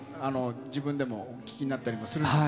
自分でもお聴きになったりもするんですか。